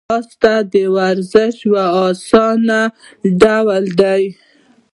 ځغاسته د ورزش یو آسانه ډول دی